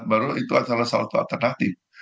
baru itu adalah salah satu alternatif